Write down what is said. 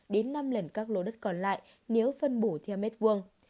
đến năm lần các lô đất còn lại nếu phân bổ theo mét vuông